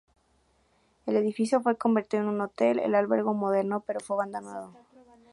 El edificio fue convertido en un hotel, el "Albergo Moderno", pero fue abandonado.